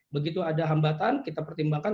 begitu ada hambatan kita pertimbangkan